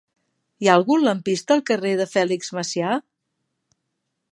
Hi ha algun lampista al carrer de Fèlix Macià?